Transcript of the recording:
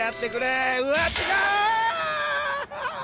うわっ違う！